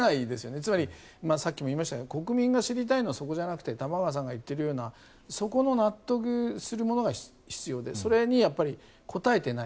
つまり、さっきも言いましたが国民が知りたいのはそこじゃなくて玉川さんが言っているようなそこの納得するものが必要でそれに答えていない。